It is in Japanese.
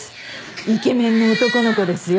イケメンの男の子ですよ。